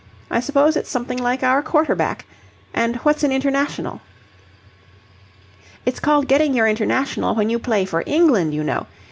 I suppose it's something like our quarter back. And what's an international?" "It's called getting your international when you play for England, you know.